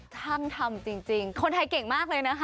ช่างทำจริงคนไทยเก่งมากเลยนะคะ